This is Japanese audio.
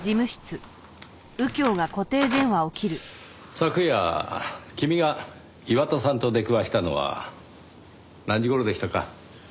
昨夜君が岩田さんと出くわしたのは何時頃でしたか？